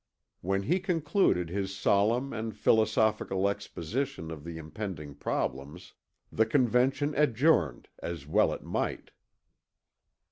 When he concluded his solemn and philosophical exposition of the impending problems the Convention adjourned as well it might.